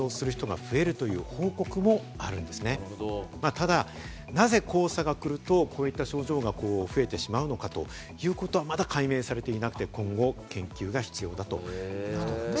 ただ、なぜ黄砂が来るとこういった症状が増えてしまうのかという事は、まだ解明されていなくて、今後、研究が必要だということなんですね。